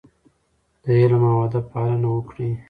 د علم او ادب پالنه وکړئ.